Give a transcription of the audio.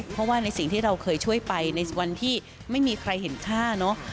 เพราะว่าในสิ่งที่เราเคยช่วยไปในวันที่ไม่มีใครเห็นค่าเนอะ